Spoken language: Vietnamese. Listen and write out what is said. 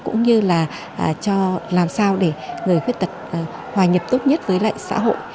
cũng như là làm sao để người khuyết tật hòa nhập tốt nhất với lại xã hội